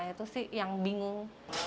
itu sih yang bingung